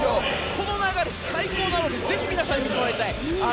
この流れ最高なのでぜひ皆さん、見てもらいたい。